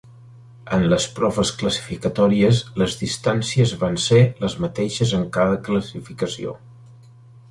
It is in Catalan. En les proves classificatòries les distàncies van ser les mateixes en cada classificació.